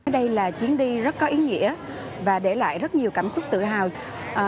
đây là chuyến đi rất có ý nghĩa và để lại rất nhiều cảm xúc tự hào